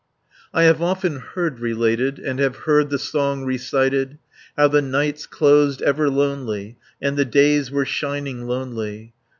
I have often heard related, And have heard the song recited, How the nights closed ever lonely, And the days were shining lonely.